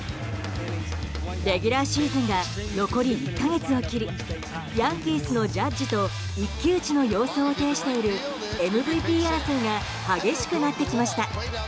レギュラーシーズンが残り１か月を切りヤンキースのジャッジと一騎打ちの様相を呈しているＭＶＰ争いが激しくなってきました。